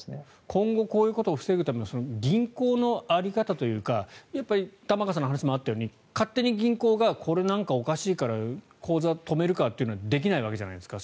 今後こういうことを防ぐための銀行の在り方というかやっぱり玉川さんの話にもあったように勝手に銀行が、これおかしいから口座止めるかということはできないわけじゃないですか。